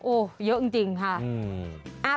โอ้โหเยอะจริงค่ะ